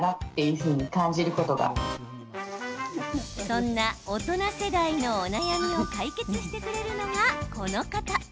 そんな大人世代のお悩みを解決してくれるのが、この方。